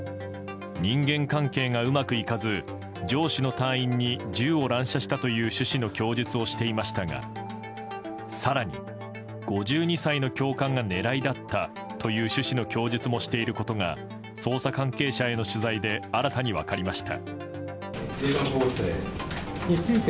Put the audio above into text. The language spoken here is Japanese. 人間関係がうまくいかず上司の隊員に銃を乱射したという趣旨の供述をしていましたが更に、５２歳の教官が狙いだったという趣旨の供述もしていることが捜査関係者への取材で新たに分かりました。